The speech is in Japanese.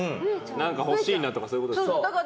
何か欲しいなとかそういうことですか？